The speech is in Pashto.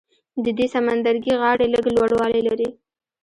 د دې سمندرګي غاړې لږ لوړوالی لري.